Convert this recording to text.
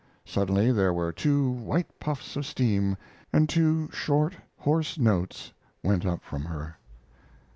Suddenly there were two white puffs of steam, and two short, hoarse notes went up from her.